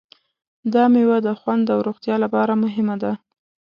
دا مېوه د خوند او روغتیا لپاره مهمه ده.